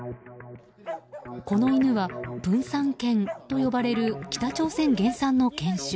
この犬はプンサン犬と呼ばれる北朝鮮原産の犬種。